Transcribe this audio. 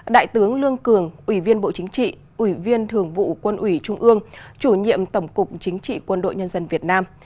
đại tướng lương cường ủy viên bộ chính trị ủy viên thường vụ quân ủy trung ương chủ nhiệm tổng cục chính trị quân đội nhân dân việt nam